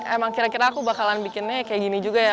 emang kira kira aku bakalan bikinnya kayak gini juga ya